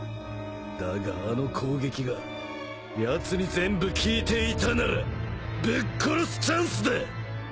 だがあの攻撃がやつに全部効いていたならぶっ殺すチャンスだ！